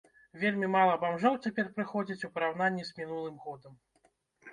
Вельмі мала бамжоў цяпер прыходзіць, ў параўнанні з мінулым годам.